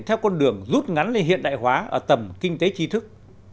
theo con đường rút ngắn lên hiện đại hóa ở tầm kinh tế tri thức